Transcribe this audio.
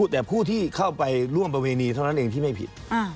แต่ผู้ที่เข้าไปร่วมประเวณีเท่านั้นเองที่ไม่ผิด